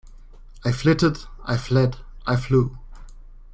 I flitted, I fled, I flew.